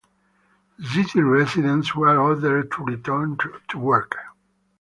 City residents were ordered to return to work.